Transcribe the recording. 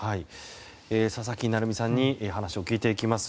佐々木成三さんに話を聞いていきます。